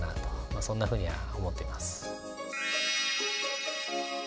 まあそんなふうには思っています。